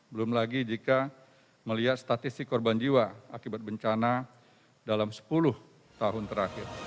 belum lagi jika melihat statistik korban jiwa akibat bencana dalam sepuluh tahun terakhir